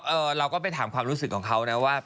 เราก็ไปถามความรู้สึกของเขานะว่า